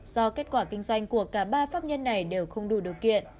do kết quả kinh doanh của cả ba pháp nhân này đều không đủ điều kiện